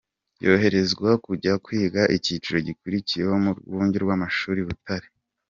Yoherezwa kujya kwiga icyiciro gikurikiyeho mu rwunge rw’amashuri i Butare.